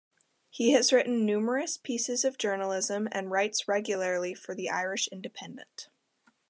He has written numerous pieces of journalism and writes regularly for the Irish Independent.